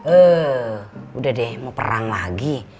eh udah deh mau perang lagi